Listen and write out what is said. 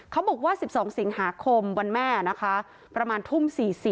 เขาบอกว่า๑๒สิงหาคมวันแม่นะคะประมาณทุ่ม๔๐